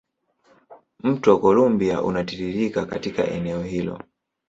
Mto Columbia unatiririka katika eneo hilo.